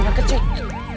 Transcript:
ada anak kecil